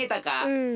うん。